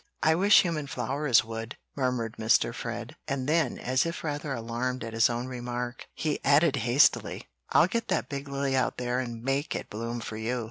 "I wish human flowers would," murmured Mr. Fred; and then, as if rather alarmed at his own remark, he added hastily, "I'll get that big lily out there and MAKE it bloom for you."